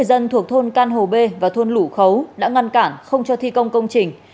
dân thuộc thôn can hồ b và thôn lũ khấu đã ngăn cản không cho thi công công trình